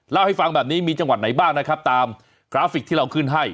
เล่าให้ฟังแบบนี้มีจังหวัดไหนบ้างนะครับตามกราฟิกที่เราขึ้นให้